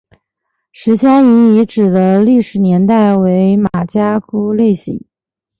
石家营遗址的历史年代为马家窑类型。